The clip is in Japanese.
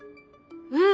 うん！